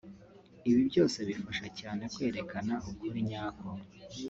ibi byose bifasha cyane kwerekana ukuri nyako